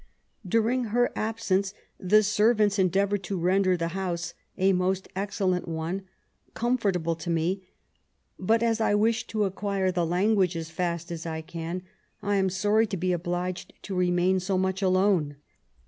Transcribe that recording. During her absence the serrants endeavoured to render the house — a most ex cellent one— comfortable to me ; but as I wish to acquire the language as fast as I can, I was sorry to be obliged to remain so much alone.